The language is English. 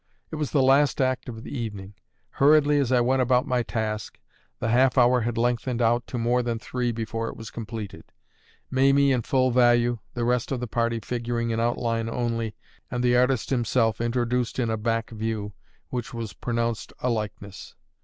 It was the last act of the evening. Hurriedly as I went about my task, the half hour had lengthened out to more than three before it was completed: Mamie in full value, the rest of the party figuring in outline only, and the artist himself introduced in a back view, which was pronounced a likeness.